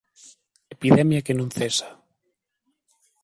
Epidemia que non cesa